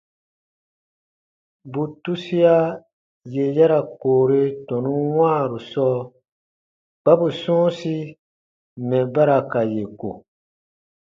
Bù tusia yè ya ra koore tɔnun wãaru sɔɔ kpa bù sɔ̃ɔsi mɛ̀ ba ra ka yè ko.